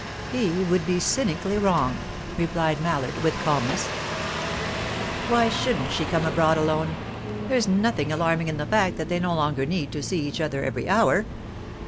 "He would be cynically wrong," replied Mallard, with calmness. "Why shouldn't she come abroad alone? There's nothing alarming in the fact that they no longer need to see each other every hour.